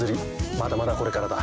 まだまだこれからだ。